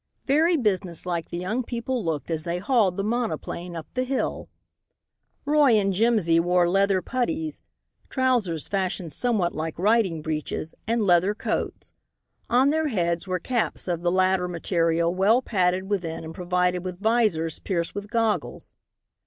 Very business like the young people looked as they hauled the monoplane up the hill. Roy and Jimsy wore leather puttees, trousers fashioned somewhat like riding breeches, and leather coats. On their heads were caps of the latter material, well padded within and provided with visors pierced with goggles.